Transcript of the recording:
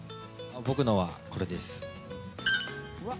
僕のはこれです。